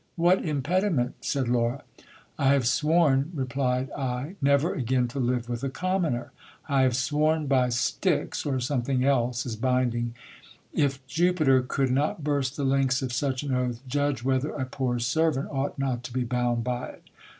What impediment ? said Laura. I have sworn, replied I, never again 104 GIL BLAS. to live with a commoner : I have sworn by Styx, or something else as binding. If Jupiter could not burst the links of such an oath, judge whether a poor serv ant ought not to be bound by it.